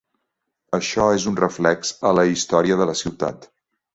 Això és un reflex a la història de la ciutat.